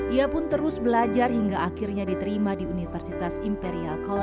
ia pun terus belajar hingga akhirnya diterima di universitas imperial